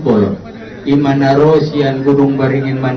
kalau ada ciri ciri yang pun